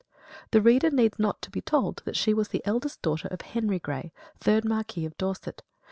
The reader needs not to be told that she was the eldest daughter of Henry Grey, third Marquis of Dorset.